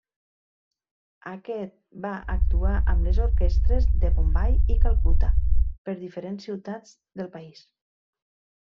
Aquest va actuar amb les orquestres de Bombai i Calcuta per diferents ciutats del país.